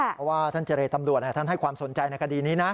เพราะว่าท่านเจรตำรวจท่านให้ความสนใจในคดีนี้นะ